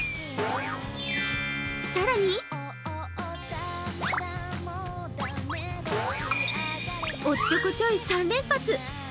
更におっちょこちょい３連発。